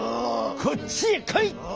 こっちへこい！